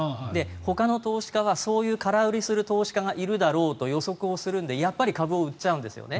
ほかの投資家は、そういう空売りする投資家がいるだろうと予測をするので、やっぱり株を売っちゃうんですよね。